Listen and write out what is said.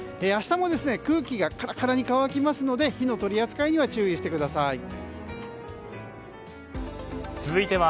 明日も空気がカラカラに乾きますので火の取り扱いには注意してください。